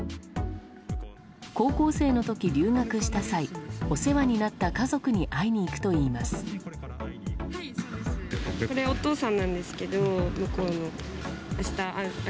高校生の時、留学した際お世話になった家族に会いに行くといいます。